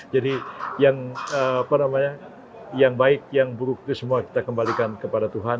jadi yang baik yang buruk itu semua kita kembalikan kepada tuhan